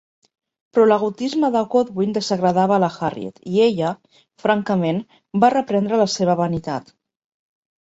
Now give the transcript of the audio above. Però l'egotisme de Godwin desagradava la Harriet i ella, francament, va reprendre la seva vanitat.